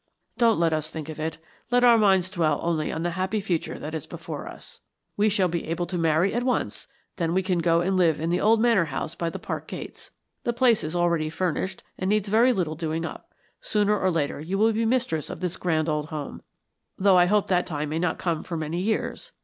"Don't let us think of it. Let our minds dwell only on the happy future that is before us. We shall be able to marry at once; then we can go and live in the old Manor House by the park gates. The place is already furnished, and needs very little doing up. Sooner or later you will be mistress of this grand old home, though I hope that time may not come for many years.